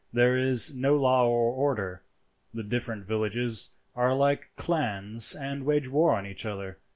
There is no law or order. The different villages are like clans, and wage war on each other.